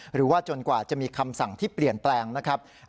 หรือว่าจนกว่าจะมีคำสั่งที่เปลี่ยนแปลงนะครับ